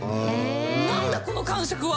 何だこの感触は？